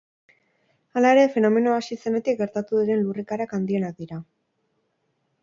Hala ere, fenomenoa hasi zenetik gertatu diren lurrikarik handienak dira.